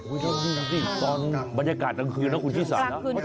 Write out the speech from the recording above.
อุ๊ยเขาดูสิตอนบรรยากาศตั้งคืนน้องคุณพี่ศาสนนะ